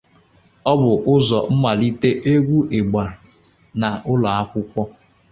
Ọ bụ ụzọ malite egwu ịgba n'ụlọakwụkwọ.